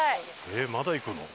えっまだ行くの？